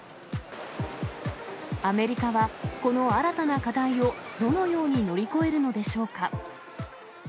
アメリカは、この新たな課題をどのように乗り越えるのでしょうか。